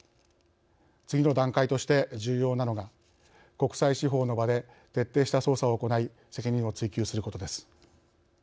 次の段階として重要なのが国際司法の場で徹底した捜査を行い責任を追及することです。